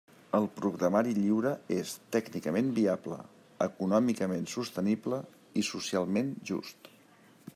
El programari lliure és tècnicament viable, econòmicament sostenible i socialment just.